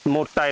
một lần nữa